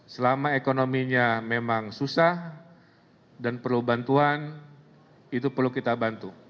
selama ekonominya memang susah dan perlu bantuan itu perlu kita bantu